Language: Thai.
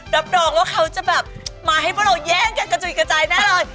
รับรองว่าเขาจะแบบมาให้พวกเราแย่งกันกระจุยกระจายแน่นอน